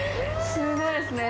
すごいですね。